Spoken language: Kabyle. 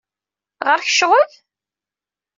Ɣer-k ccɣel?